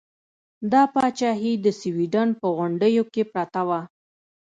دا پاچاهي د سوډان په غونډیو کې پرته وه.